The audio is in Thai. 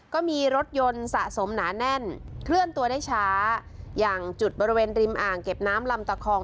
ก็มีรถยนต์สะสมหนาแน่นเคลื่อนตัวได้ช้าอย่างจุดบริเวณริมอ่างเก็บน้ำลำตะคอง